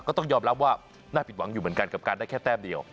ก็ต้องยอมรับว่าน่าผิดหวังอยู่เหมือนกันกับการได้แค่แต้มเดียว